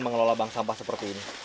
mengelola bank sampah seperti ini